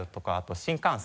新幹線。